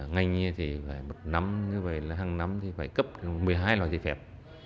ngành thì phải một năm như vậy là hàng năm thì phải cấp một mươi hai loại giấy phép